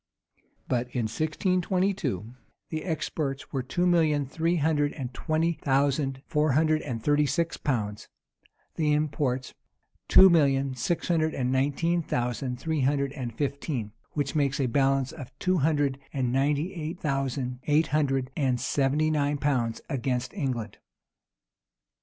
[*] But in 1622, the exports were two millions three hundred and twenty thousand four hundred and thirty six pounds; the imports two millions six hundred and nineteen thousand three hundred and fifteen; which makes a balance of two hundred and ninety eight thousand eight hundred and seventy nine pounds against England.